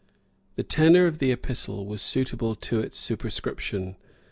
The tenor of the epistle was suitable to its superscription.